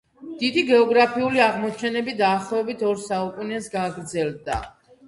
დიდი გეოგრაფიული აღმოჩენები დაახლოებით ორ საუკუნეს გაგრძელდა.